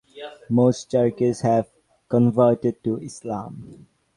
Most Cherkess have converted to Islam.